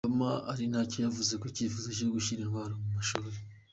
Perezida Obama ariko ntacyo yavuze ku cyifuzo cyo gushyira intwaro mu mashuri.